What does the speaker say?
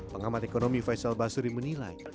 pengamat ekonomi faisal basuri menilai